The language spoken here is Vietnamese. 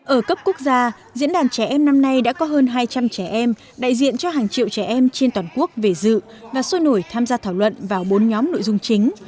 ở cấp quốc gia diễn đàn trẻ em năm nay đã có hơn hai trăm linh trẻ em đại diện cho hàng triệu trẻ em trên toàn quốc về dự và sôi nổi tham gia thảo luận vào bốn nhóm nội dung chính